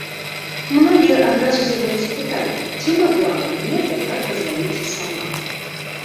Многія адразу задаліся пытаннем, ці магла манета так разваліцца сама.